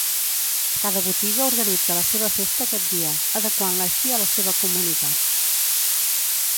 Cada botiga organitza la seva festa aquest dia, adequant-la així a la seva comunitat.